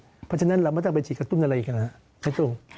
เพราะฉะนั้นเราไม่ต้องไปฉีดกระตุ้นอะไรอีกนะครับ